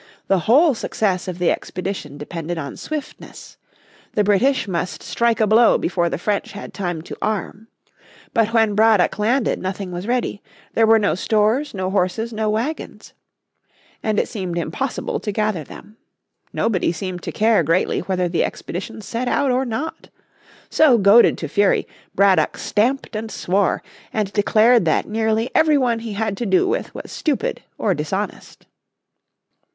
The whole success of the expedition depended on swiftness. The British must strike a blow before the French had time to arm. But when Braddock landed nothing was ready; there were no stores, no horses, no wagons. And it seemed impossible to gather them. Nobody seemed to care greatly whether the expedition set out or not. So, goaded to fury Braddock stamped and swore, and declared that nearly every one he had to do with was stupid or dishonest.